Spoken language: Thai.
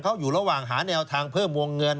เขาอยู่ระหว่างหาแนวทางเพิ่มวงเงิน